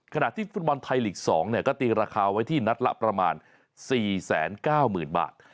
ขณะที่ฟุตบอลไทยลีก๒ก็ตีราคาไว้ที่นัดละประมาณ๔๙๐๐๐บาท